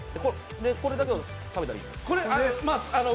これだけを食べたらいいの？